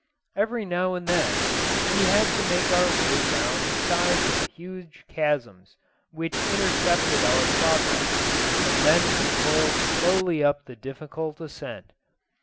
Every now and then, we had to make our way down the sides of huge chasms which intercepted our progress, and then to toil slowly up the difficult ascent.